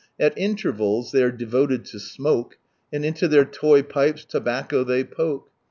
At intervals they are devoted lo smoke, And into their toy pipes tobacco they poke.